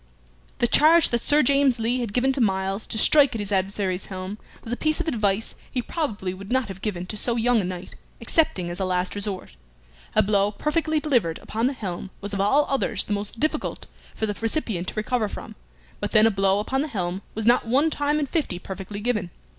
The charge that Sir James Lee had given to Myles to strike at his adversary's helm was a piece of advice he probably would not have given to so young a knight, excepting as a last resort. A blow perfectly delivered upon the helm was of all others the most difficult for the recipient to recover from, but then a blow upon the helm was not one time in fifty perfectly given.